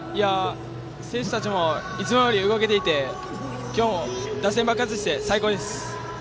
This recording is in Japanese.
選手たちもいつもより動けていて今日も打線爆発して最高です。